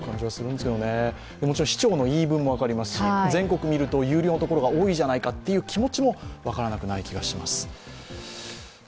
もちろん市長の言い分も分かりますし、全国見ると有料のところが多いじゃないかという気持ちも分からなくない気がします。